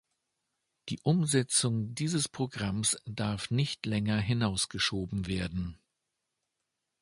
Die Umsetzung dieses Programms darf nicht länger hinausgeschoben werden.